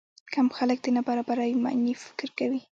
کم خلک د نابرابرۍ معنی فکر کوي.